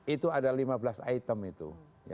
itu ada lima belas item itu